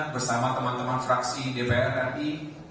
bersama teman teman fraksi dpr ri